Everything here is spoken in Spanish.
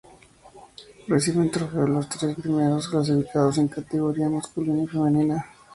Reciben trofeo los tres primeros clasificados en categoría masculina y femenina.